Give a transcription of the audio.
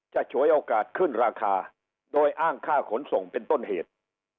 ฉวยโอกาสขึ้นราคาโดยอ้างค่าขนส่งเป็นต้นเหตุ